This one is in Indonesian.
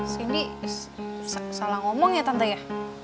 sini salah ngomong ya tante ya